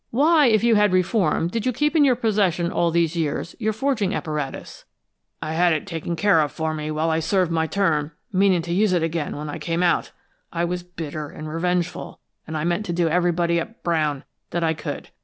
"Why, if you had reformed, did you keep in your possession all these years your forging apparatus?" "I had it taken care of for me while I served my term, meaning to use it again when I came out. I was bitter and revengeful, and I meant to do everybody up brown that I could.